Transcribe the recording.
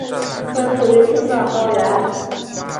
分布于青藏高原。